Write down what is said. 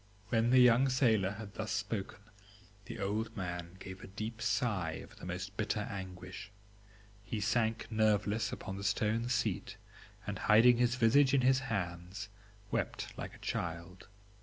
"When the young sailor had thus spoken, the old man gave a deep sigh of the most bitter anguish; he sank nerveless upon the stone seat, and hiding his visage in his hands, wept like a child.